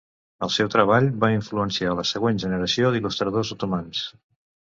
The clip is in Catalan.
El seu treball va influenciar la següent generació d'il·lustradors otomans.